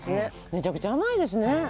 めちゃくちゃ甘いですね。